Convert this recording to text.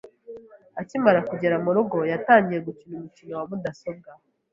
Akimara kugera murugo, yatangiye gukina umukino wa mudasobwa.